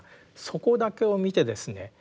そこだけを見てですね